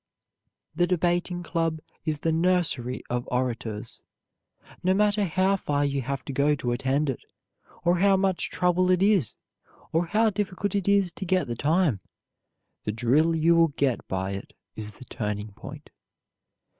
The Debating Club is the nursery of orators. No matter how far you have to go to attend it, or how much trouble it is, or how difficult it is to get the time, the drill you will get by it is the turning point.